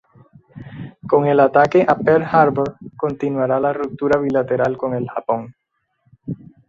Con el ataque a Pearl Harbor continuaría la ruptura bilateral con el Japón.